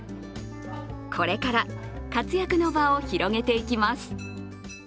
これから活躍の場を広げていきます。